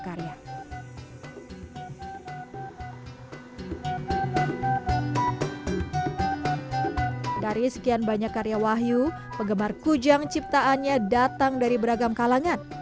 karya dari sekian banyak karya wahyu penggemar kujang ciptaannya datang dari beragam kalangan